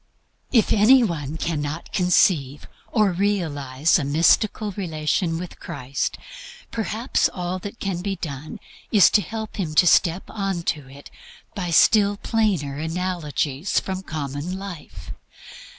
If any one cannot conceive or realize a mystical relation with Christ, perhaps all that can be done is to help him to step on to it by still plainer analogies from common life.